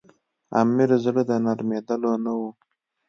امیر زړه د نرمېدلو نه وو.